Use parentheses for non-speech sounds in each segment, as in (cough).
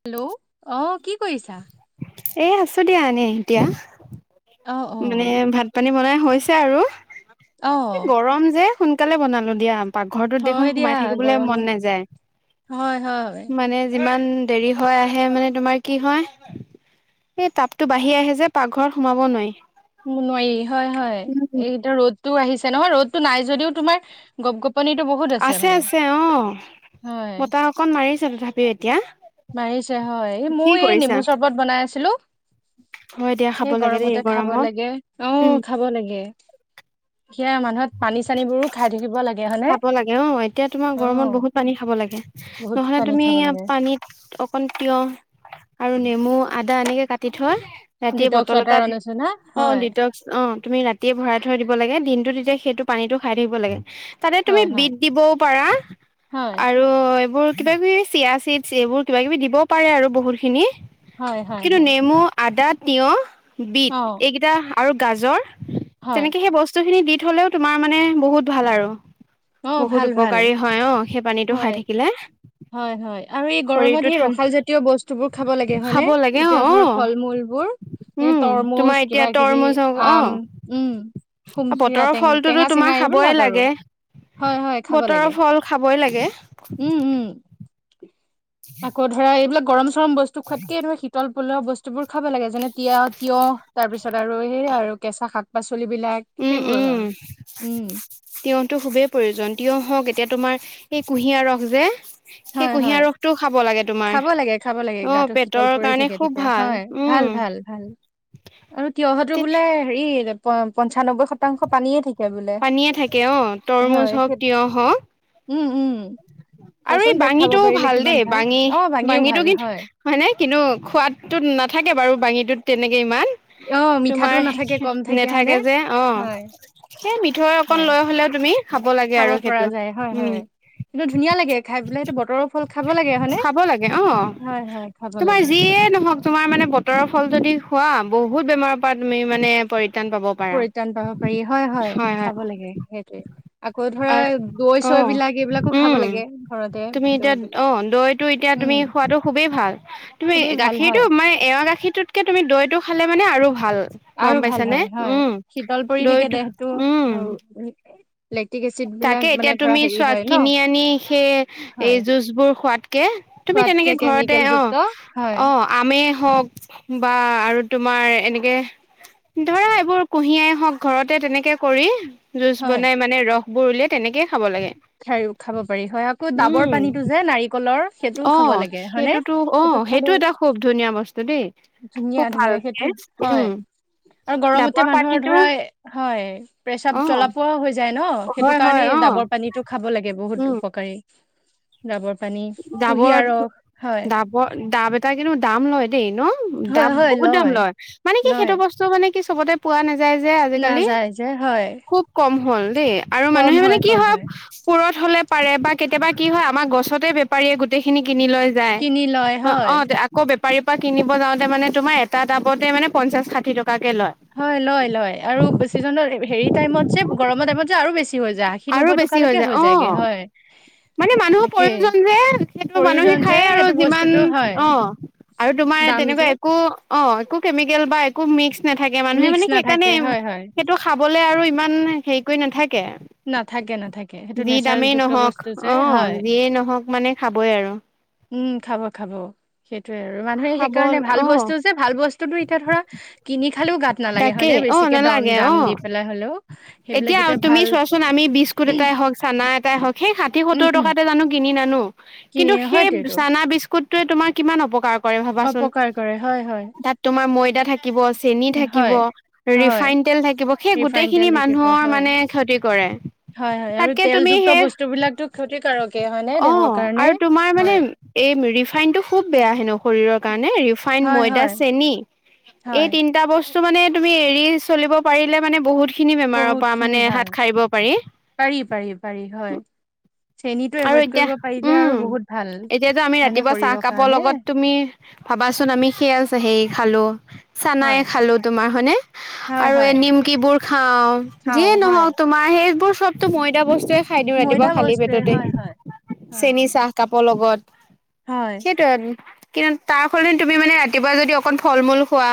Hello অঁ কি কৰিছা? এ' আছো দিয়া এনে এতিয়া। অ অ মানে ভাত পানী বনাই হৈছে আৰু অ গৰম যে সোন সোনকালে বনালো দিয়া। পাকঘৰটোত দেখোন হয় দিয়া সোমাই থাকিবলৈ গৰমত মন নাযায়। হয় হয় মানে যিমান দেৰি হৈ আহে মানে তোমাৰ কি হয়? এই তাপতো বাঢ়ি আহে যে পাকঘৰত সোমাব নোৱাৰি। নোৱাৰি হয় হয়। উম এইতা ৰ'দতটো আহিছে, নহয় ৰ'দতটো নাই যদিও তোমাৰ গপ গপ আছে, আছে। অ' হয় বতাহ অকণ মাৰিছে তথাপিও এতিয়া মাৰিছে হয়, এই কি ময়ো এই কৰিছা নেমু চৰ্বত বনাই আছিলো। হয় দিয়া খাব সেই লাগে দেই গৰমতে খাব গৰমত লাগে। আহ উম খাব লাগে। সেয়া মানুহত পানী-চানীবোৰো খাই থাকিব লাগে। হয়নে খাব লাগে অ এতিয়া তোমাৰ অ গৰমত বহুত পানী খাব লাগে বহুত নহলে পানী তুমি খাব ইয়াত লাগে পানীত অকণ তিয়হ আৰু নেমু, আদা, এনেকে কাটি থোৱা ৰাতিয়ে ডিটক্স বটল ৱাটাৰৰ এটাত, নিচিনা অ হয় দিতক্স অ তুমি ৰাতিয়ে ভৰাই থৈ দিব লাগে দিন টো তেতিয়া সেইটো পানীতটো খাই থাকিব লাগে তাতে তুমি হয় হয় বিট দিবও পাৰা হয় আৰু এইবোৰ কিবা-কিবি চিয়া চিডচ এইবোৰ কিবা-কিবি দিবও পাৰে আৰু বহুত খিনি। হয় হয় কিন্তু হয় নেমু, আদা, তিয়হ, বিট, অ এইকেইটা আৰু গাজৰ হয় তেনেকে সেই বস্তু খিনি দি থলেও তোমাৰ মানে বহুত ভাল আৰু। অ বহুত ভাল ভাল উপকাৰী হয় অ, সেই পানীটো হয় খাই থাকিলে। হয় হয় আৰু এই গৰমত শৰীৰটো সেই ঠান ৰসাল জাতীয় বস্তুবোৰ খাব লাগে হয় খাব নে, লাগে অ এতিয়া অ ধৰা ফল মূলবোৰ। উম তোমাৰ তৰমুজ এতিয়া কিবা কিবি তৰমুজ হওক অ আম উম সুমথিৰা বতৰৰ টে ফলটোতো টেঙা তোমাৰ চেঙা খাবই এইবিলাক আৰু। লাগে হয় হয় খাব বতৰৰ লাগে ফল খাবই লাগে উম উম আকৌ ধৰা এইবিলাক গৰম চৰম বস্তু খোৱাতকে ধৰা শীতল পলোৱা বস্তুবোৰ খাব লাগে। যেনে তিয় তিয়হ তাৰ পিছত আৰু সেই আৰু কেঁচা শাক-পাচলি। উম উম উম তেওঁতো খুবেই প্ৰয়োজন। তিয়হ হওঁক, এতিয়া তোমাৰ এই কুঁহিয়াৰ ৰস যে সেই হয় হয় কুঁহিয়াৰ ৰসটোও খাব লাগে তোমাৰ, খাব লাগে খাব লাগে অ'! গাটো শীতল পেটৰ পৰি কাৰণে থাকে খুব তেতিয়া ভাল। হয় উম! ভাল, ভাল আৰু তিঁয়হতো বোলে, হেৰি প পঞ্চানব্বৈ শতাংশ পানীয়ে থাকে। বোলে। পানীয়ে থাকে অ'! হয় তৰমুজ সেই হওঁক, তিয়হ হওঁক। উম! উম! আৰু এই চোৱাচোন তাক খাব বাঙিটো পাৰিলে ভাল কিমান দেই। বাঙি, অ ভাঙিও বাঙিটো ভাল কিন্তু, হয় নাই? কিন্তু সোৱাদতো নাথাকে বাৰু বাঙীত। ইমান, অ মিঠাটো তোমাৰ নাথাকে কম থাকে হয়নে? নেথাকে যে। অ'! হয়। সেই মিঠৈ অকন সেয়া লৈ হ'লেও তুমি, খাব লাগে আৰু পৰা সেইটো। যায় হয় হয়। উম'! কিন্তু, ধুনীয়া লাগে খায় পেলাই। সেইটো বতৰৰ ফল খাব লাগে হয়নে? খাব লাগে হয়, হয়, খাব লাগে। নহওঁক। তোমাৰ মানে, বতৰৰ ফল যদি খোৱা বহুত বেমাৰৰ পৰা তুমি মানে পাব পাৰা পৰিত্ৰাণ পাব পাৰি। হয়, হয়, খাব লাগে। সেইটোৱে, আকৌ ধৰা আৰু দৈ অ চৈ বিলাক বিলাকো উম খাব লাগে। ঘৰ তুমি এতিয়া অ'! দৈটো এতিয়া উম তুমি খোৱাটো খুবেই ভাল। তুমি, খুবেই ভাল হয়। গাখীৰটো মানে এ এৱা গাখীৰটোতকে তুমি দৈটো খালে মানে আৰু ভাল আৰু গম ভাল হয় পাইছানে? হয় উম'! শীতল পৰি দৈ থাকে টো দেহটো উম! আৰু লেক্টিক এচিড বিলাক তাকে, মানে এতিয়া ধৰা তুমি হেৰি চোৱা হয় ন কিনি আনি সেই, এই, হয় জুচ বোৰ খোৱাতকে। তুমি খোৱাতকে তেনেকে ঘৰতে কেমিকেল যুক্ত অ'! হয় অ'! আমে হওঁক বা আৰু তোমাৰ এনেকে ধৰা এইবোৰ কুঁহিয়াই হওঁক, ঘৰতে তেনেকে কৰি জুচ হয় বনাই মানে, ৰসবোৰ ওলাই তেনেকে। খাইয়ো, খাব পাৰি। হয়, আকৌ ডাবৰ উম পানীতো যে নাৰিকলৰ সেইটোও অ খাব লাগে হয়নে? সেইটোতো অ সেইটো খালেও এটা খুব ধুনীয়া বস্তু দেই। ধুনীয়া খুব ধুনীয়া ভালকে সেইটোটো হয়। উম আৰু গৰমতে ডাবৰ মানুহৰ পানীটো ধৰা, হয়! প্ৰেচাৱ অ জ্বলা পোৰা হৈ যায় ন'। অ'! সেইটো হয় হয় কাৰণে, অ ডাবৰ পানীটো খাব লাগে বহুত উম উপকাৰী। ডাবৰ পানী ডাবৰ, কুঁহিয়াৰ ৰস হয় ডাবৰ, ডাব তাই কিন্তু, দাম লয় দেই ন'? হয় দাম হয় বহুত দাম লয়! মানে কি, লয় সেইটো বস্তু মানে কি চবতে পোৱা নাযায় যে আজিকালি। নাযায় যে হয় খুব কম হ'ল দেই আৰু মানুহে মানে কি হয় পুৰঠ হ'লে পাৰে বা কেতিয়াবা কি হয়, আমাৰ গছতে বেপাৰীয়ে গোটেইখিনি কিনি লৈ যায়। কিনি লয় অ'! হয় অ'! আকৌ বে পাৰি পা কিনিব যাওঁতে মানে, তোমাৰ এটা ডাবতে মানে, পঞ্চাছ, ষাঠি টকা। হয়। লয়, লয় আৰু (unintelligible) হেৰি টাইমত যে, গৰমৰ টাইমত যে আৰু বেছি। হৈ যায়। আশী, আৰু নব্বৈ বেছি টকালৈকে যায় হৈ অ যায়গে হয়। মানে, মানুহৰ তাকে প্ৰয়োজন যে, যিহেতু মানুহে প্ৰয়োজন যে খায় আৰু সেইটো যিমান বস্তুটো হয় অ'! আৰু তোমাৰ দাম যে তেনেকুৱা একো অ'! একো কেমিকেল একো মিক্স নাথাকে। মানুহে মিক্স মানে নাথাকে সেইকাৰণে, হয় হয় সেইটো খাবলে আৰু ইমান হেৰি কৰি নাথাকে। নাথাকে, নাথাকে। সেইটো যি দামেই নেচাৰেলযুক্ত নহওক বস্তু। যে অ'! হয় যিয়েই নহওঁক মানে খাবই আৰু। উম! খাব, খাব। সেইটোৱে আৰু মানুহে খাব সেইকাৰণে ভাল অ বস্তু যে, ভাল বস্তুতটো এতিয়া ধৰা কিনি খালেও গাত নালাগে তাকেই হয়নে? অ বেছিকে দম নালাগে অ দাম দি পেলাই হ'লেও সেইবিলাক এতিয়া তুমি ভাল। চোৱাচোন আমি বিস্কুত এটাই হওঁক, চানা সেই হওঁক হেই ষাঠি, উম সত্তৰ উম টকাতে জানো কিনি নানো। কিনি কিন্তু, সেই হয়তো এইটো চানা বিস্কুট টোৱে তোমাৰ কিমান অপকাৰ কৰে ভাবাচোন, অপকাৰ কৰে হয় হয় তাত তোমাৰ ময়দা থাকিব, চেনি থ থাকিব, হয় হয় ৰিফাইন তেল থাকিব। সেই ৰিফাইন তেল গোটেইখিনি থাকিব মানুহৰ হয় মানে ক্ষতি কৰে। হয়, হয় আৰু তাতকে তুমি তেলযুক্ত সেই বস্তু বিলাকতো ক্ষতিকাৰকে হয় নে অ দেহৰ কাৰণে? আৰু তোমাৰ মানে হয়! এই ৰিফাইনটো খুব বেয়া হেনো। শৰীৰৰ কাৰণে, ৰিফাইন, হয় ময়দা, হয় চেনি এই হয় তিনিটা বস্তু কিন্তু মানে, তুমি এৰি চলিব পাৰিলে মানে বহুত খিনি বেমাৰৰ বহুত পৰা খিনি মানে ভাল হাত সাৰিব পাৰি? পাৰি পাৰি পাৰি হয় চেনীটো আৰু এভইড এতিয়া, কৰিব পাৰিলে আৰু বহুত ভাল উম। এতিয়াতো আমি হয়নে ৰাতিপুৱা চাহ শৰীৰৰ কাপৰ কাৰণে লগত তুমি ভাবাচোন আমি সেই আছ সেই খালো। চানাই হয় খালোঁ তোমাৰ হয়নে হয় আৰু হয় এই নিমকিবোৰ খাওঁ যিয়ে খাওঁ হয় নহক তোমাৰ সেইবোৰ। চবটো ময়দা বস্তুৱে খাই দিওঁ ৰাতিপুৱা ময়দা খালী বস্তুৱে পেটতে। হয় হয় হয় চেনী চাহ কাপৰ লগত হয় সেইটো আৰু। কিন্তু তাৰ সৈতে তুমি মানে ৰাতিপুৱা যদি অকণ ফল মূল খোৱা।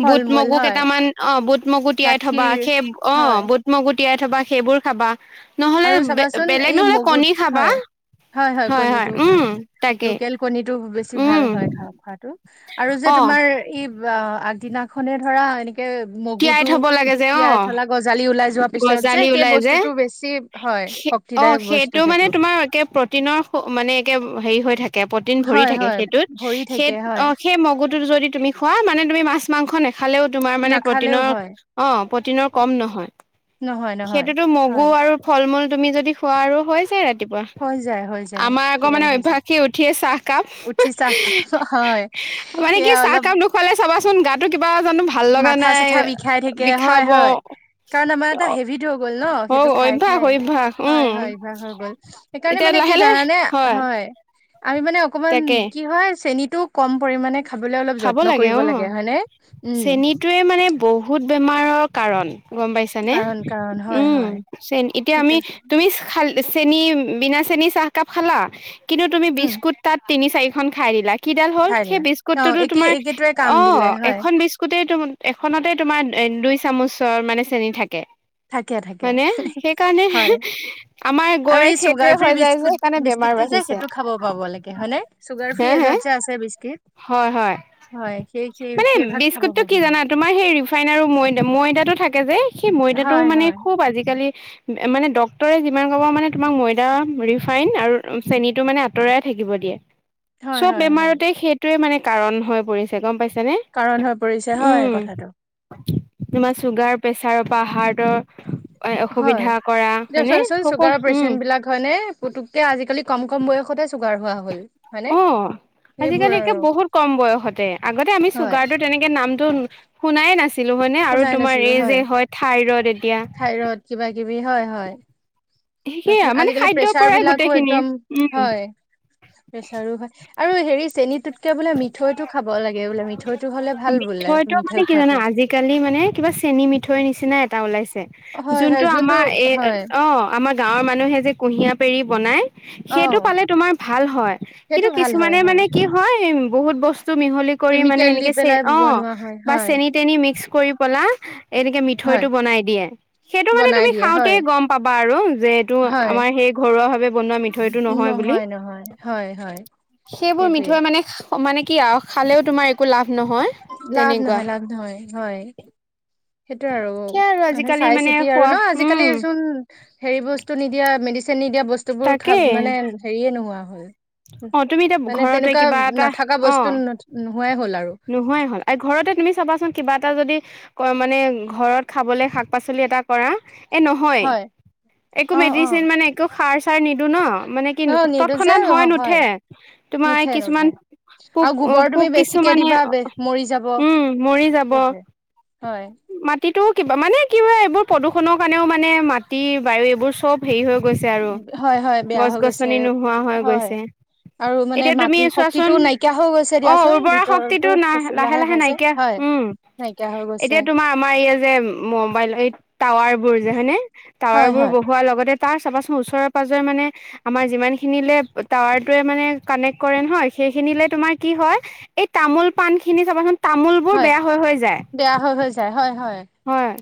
ফল বুট মূল মগু হয় কেইটামান অ বুট, মগু তিয়াই থবা গাখীৰ সেই অ হয় বুট, মগু তিয়াই থবা সেইবোৰ খাবা নহলে আৰু চাবাচোন বেলেগ এই নহলে মগুত কণী খাবা হয় হয় হয় উম। তাকে লোকেল কণীটো বেছি ভাল উম হয় খা খা খোৱাতো, আৰু যে অ তোমাৰ ই বা আগদিনা খনে ধৰা এনেকে মগু তিয়াই টো থব লাগে যে অ বিকিয়াই এ থলা গজালি ওলাই। যোৱাৰ পিছত যে গজালি সেই ওলাই যে। বস্তুটো বেছি হয় অ শক্তিদায়ক বস্তু সেইটো মানে তোমাৰ একে প্ৰটিনৰ মানে একে হেৰি হৈ থাক- কে প্ৰটিন ভৰি হয় থাকে হয় সেইটোত, ভৰি থাকে হেইত হয় অহ হেই মগুটো যদি খোৱা মানে তুমি মাছ মাংস নাখালেও তোমাৰ মানে নাখালেও প্ৰটিনৰ হয় অ প্ৰটিনৰ কম নহয়। নহয় নহয় সেইটোতো মগু হয় আৰু ফল-মূল তুমি যদি খোৱা আৰু হৈ যায় ৰাত- ৰাতিপুৱা হৈ যায় হৈ যায় আমাৰ আকৌ মানে সেয়াই হৈ যায় অভ্যাসে উঠিয়ে চাহকাপ। উঠি চাহ খা হয় মানে কি সেয়া চাহ অলপ কাম নোখুৱালে চাবাচোন গাতটো কিবা জানোঁ ভাল লগা মাথা নাই চাথা বিষাই থাকে হয় বিষাব। হয় কাৰণ আমাৰ এটা হেভিটো হৈ গ'ল ন হ সেইটো খাই অভ্যাস খাই। অভ্যাস হয় উম হয় অভ্যাস হৈ গ'ল, সেইকাৰণে এতিয়া মানে কি লাহে লাহে জানানে, হয়। আমি মানে অকমান তাকে কি হয় চেনী তো কম পৰিমানে খাবলে অলপ খাব যত্ন কৰিব অ লাগে হয় নে। চেনীটোৱে মানে বহুত বেমাৰৰ কাৰণ। গম পাইছানে। কাৰণ কাৰণ হয় উম, হয় চেনি এতিয়া সেইটো আমি তুমি খাল চেনী বিনা চেনী চাহকাপ খালা। কিন্তু তুমি উম বিস্কুট তাত তিনি চাৰিখন খাই দিলা কিডাল হ'ল, ঠাই সেই নাই বিস্কুট অ টুটু একে তোমাৰ একেটোৱে কাম অ দিলে হয় এখন বিস্কুটেটো এখনতে তোমাৰ দুই চামুচৰ মানে চেনি থাকে। থাকে থাকে হয়নে সেইকাৰণে হয় আমাৰ গৈ সেইটোয়ে হৈ যায় যে সেইকাৰণে বে- টো যে সেইটো খাব পাব লাগে। হয় নে চুগাৰ ফ্ৰী হে হে এজাত যে আছে বিস্কিট। হয় হয় হয় সেই সেই মানে সেই ভাগ খাব বিস্কুটটো পাব কি লাগে। জানা তোমাৰ সেই ফাইন আৰু ময়দা ময়দাতটো থাকে যে, সেই ময়দাটো হয় মানে হয় খুব আজিকালি মানে ডক্তৰে যিমান কব মানে তোমাক ময়দা, ৰিফাইন আৰু চেনিটো মানে আঁতৰায় থাকি- কিব দিয়ে। হয় চব হয় হয় বেমাৰতে সেইটোৱে মানে কাৰণ হৈ পৰিছে গম পাইছ- যেনে কাৰণ হৈ পৰিছে হয় কথাটো তোমাৰ চুগাৰ প্ৰেছাৰ পৰা হাৰ্টৰ অসুবিধা কৰা- এ হয়নে চোৱাচোন সকলো চুগাৰৰ উম পেচেণ্ট বিলাক হয়নে পুতুকে আজিকালি কম কম বয়সতে চুগাৰ হোৱা হল। হয়নে অ সেইবোৰ আজিকালি একে আৰু বহুত কম বয়সতে। আগতে আমি হয় চুগাৰটো তেনেকে নাম- শুনাইে নাছিলো মানে আৰু শুনাই তোমাৰ নাছিলো এই যে হয় থাইৰড এতিয়া। থাইৰইড কিবা কিবি হয় হয়। সেয়া তাৰ মানে আজিকালি খাদ্যৰ প্ৰেচাৰ পৰাই বিলাকো গোটেইখিনি একদম হয়, প্ৰেচাৰো হয়। আৰু হেৰি চেনীটোত এতিয়া বোলে মিঠৈটো খাব লাগে বোলে মিঠৈটো হ'লে ভাল বোলে মিঠৈ খোৱাটো। এ কিবা চেনি মিথৈ নিচিনা এটা ওলাইছ- হয় হয় যোনটো আমাৰ এই হয় অ আমাৰ গাঁৱৰ মানুহে যে কুঁহিয়াৰ পেৰি বনাই। অ সেইটো পালে তোমাৰ ভাল হয় সেইটো কিন্তু ভাল হয় কিছুমানে হয় মানে কি হয় বহুত বস্ত- মিহলি কৰি মানে কেমিকেল দি এনেকে চ পেলাই অ' বনোৱা হয়, বা হয়, চেনি তেনি মিক্স কৰি পলা- এনেকে হয়, মিথৈটো বনাই দিয়ে। সেইটো মানে বনাই তুমি দিয়ে খাওঁতে হয়, গম পাবা আৰু যে এইটো হয়। আমাৰ সে- ঘৰুৱা ভাৱে। মিঠৈতটো নহয় বুলি নহয়, হয়, হয়, সেইবোৰ সেইটোৱে মিঠৈ মানে মানে কি আৰু খালেও তোমাৰ একো লাভ নহয় লাভ তেনেকুৱা নহয়, লাভ নহয়, হয়। সেইটো আৰু এতিয়া আৰু মানে আজিকালি চাই চিতি আৰু খোৱা ন উম আজিকালিচোন হেৰি বস্তু নিদিয়া মেডিচিন নিদিয়া বস্তুবোৰ খাব তাকেই মানে হেৰিয়ে নোহোৱা হল। অ তুমি এতিয়া মানে ঘৰতে তেনেকুৱা কিবা এটা নাথকা অ বস্তু নোহোৱাই হ'ল আৰু। নোহোৱাই হল আৰু ঘৰতে তুমি চাবাচোন কিবা এটা যদি ক মানে ঘৰত খাবলৈ শাক পাচলি এটা কৰা এ নহয় হয়, একো অ', মেডিচিন অ'। মানে একো খাৰ চাৰ নিদো ন। মানে কি অ', নিদো যে তৎক্ষণাত হয় নুঠে। তোমাৰ নুঠে, কিছুমান নুঠে। পোক আৰু গোবৰ তুমি পোক কি বেছিকে দিবা মৰি যাব উম' মৰি যাব। সেইটোৱে হয়। মাটিটো কিবা মানে কি হয় এইবোৰ প্ৰদূষণৰ কাৰণেও মানে মাটি বায়ু এইবোৰ চব হেৰি হৈ গৈছে আৰু হয় হয় বেয়া হৈ গৈছে গছ-গছনি নোহোৱা হৈ হয় গৈছে। আৰু মানে এতিয়া তুমি মাটিৰ চোৱাচোন শক্তিটো নাইকিয়া হৈ গৈছে অ দিয়াচোন উৰ্বৰা ভ শক্তিটো নাহ লাহে লাহে নাইকিয়া উম নাইকিয়া হৈ গৈছে এতিয়া তোমাৰ আমাৰ এইয়া যে মোবাইল এই টাৱাৰ বোৰ যে হয়নে, টাৱাৰ হয় বোৰ হয় বহোৱাৰ লগতে তাৰ চাবাচোন ওচৰৰেৰে পাজৰে মানে আমাৰ যিমান খিনিলে টাৱাৰটোৱে মানে কানেক্ট কৰে নহয় সেইখিনিলে তোমাৰ কি হয় এই তামোল পান খিনি চাবাচোন। তামোল বোৰ হয় বেয়া হৈ হৈ যায়। বেয়া হৈ হৈ যায় হয় হয় হয়।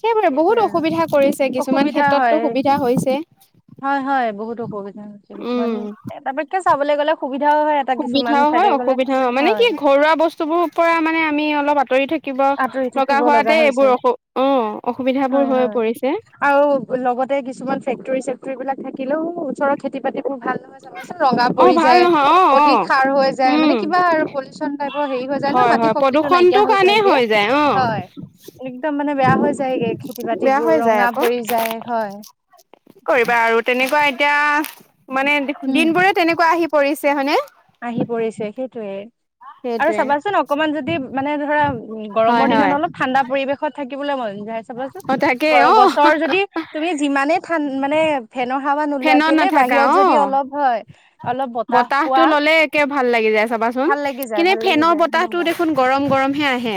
সেইবাবে বহুত সেইটোয়ে আৰু অসুবিধা কৰিছে কিছুমান অসুবিধা হয় ক্ষেত্ৰতো সুবিধা হৈছে হয় হয় বহুত অসুবিধা হৈছে কিছুমান উম। এটা পৈক্ষে চাবলৈ গ'লে সু সুবিধাও হয় অসুবিধাও মানে কি হয় ঘৰুৱা বস্তুবোৰৰ পৰা মানে আমি অলপ আঁতৰি থাক কিবা আঁতৰি লগা থাকিব হোৱাতে হৈছে এইবোৰ অস অ হয় অসুবিধাবোৰ হৈ হয় পৰিছে। আৰু লগতে কিছুমান ফেক্টৰী চেক্টৰী বিলাক থাকিলেও ওচৰত খেতি বাতি বৰ ভাল নহয় চাবাচোন ৰঙা অ পৰি ভাল যায় নহয় অ অ অধিক সাৰ হৈ যায় উম মানে কিবা আৰু পলিউচন টাইপৰ হেৰি হৈ যায় ন হয় মাটি হয় শক্তি টো প্ৰদূষণটো নাইকিয়া হৈ কাৰণেই যায়গে। যায় অ। হয়, একদম মানে বেয়া হৈ যায়গে খেতি বেয়া বাতিবোৰ হৈ যায় ৰঙা আকৌ পৰি যায় হয়। কৰিবা আৰু তেনেকুৱা এতিয়া মানে দিন বোৰে তেনেকুৱা আহি পৰিছে হয়নে। আহি পৰিছে সেইটোয়ে আৰু সেইটোৱে চাবাচোন অকমান যদি মানে ধৰা উ হয় গৰমৰ হয় দিনত অলপ ঠাণ্ডা পৰিবেশত থাকিবলৈ মন চাবাচোন অ তাকে গছ, অ গছৰ যদি তুমি যিমানে ঠান মানে ফেনৰ সাৱা নোলোৱা ফেনত কেলে নাথাকা বাহিৰত যদি অ অলপ হয় অলপ বতাহ বতাহটো পোৱা ল'লে ভাল লাগি যায় চাবাচোন। ভাল লাগি যায় কিনে ভাল লাগি ফেনৰ যায় একদম বতাহটো গাত দেখোন গৰম গৰম হে আহে।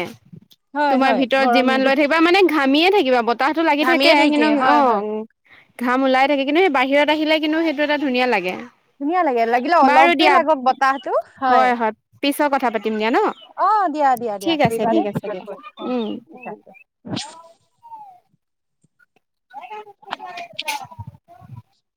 হয় তোমাৰ হয় ভিতৰত গৰম যিমান লৈ গোট থাকিবা মানে ঘাম নিয়ে থাকিবা বতাহটো লাগি ঘামিয়ে থাকে কিন্তু অ হয় হয় ঘাম ওলাই থাকে কিন্তু সেই বা বাহিৰত আহিলে কিন্তু সেইটো এটা ধুনীয়া লাগে। ধুনীয়া লাগে লাগিলে বাৰু অলপে লাগক বতাহটো হয়। পিছৰ কথা পাতি অ' দিয়া, দিয়া, দিয়া ঠিক আছে দিয়া উম (inaudible) (inaudible)